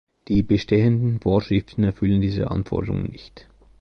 Die bestehenden Vorschriften erfüllen diese Anforderungen nicht.